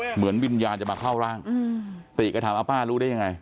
เหมือนวิญญาณจะมาเข้าร่างติก็ถามเอาป้ารู้ได้ยังไง